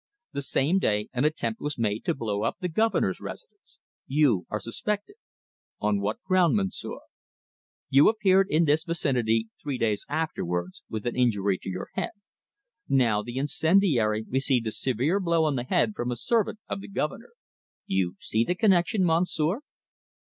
The same day an attempt was made to blow up the Governor's residence. You are suspected." "On what ground, Monsieur?" "You appeared in this vicinity three days afterwards with an injury to the head. Now, the incendiary received a severe blow on the head from a servant of the Governor. You see the connection, Monsieur?"